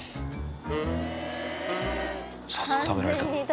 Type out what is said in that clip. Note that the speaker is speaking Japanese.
早速食べられた。